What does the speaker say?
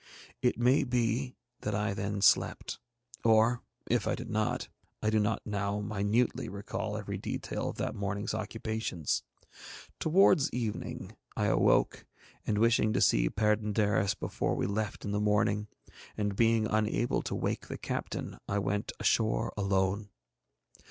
It may be that I then slept. Or, if I did not, I do not now minutely recollect every detail of that morning's occupations. Towards evening, I awoke and wishing to see Perd├│ndaris before we left in the morning, and being unable to wake the captain, I went ashore alone.